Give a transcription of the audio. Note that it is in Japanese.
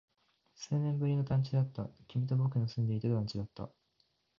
数年ぶりの団地だった。君と僕の住んでいた団地だった。